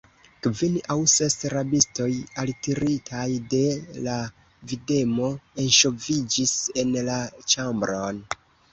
Kvin aŭ ses rabistoj, altiritaj de la videmo, enŝoviĝis en la ĉambron.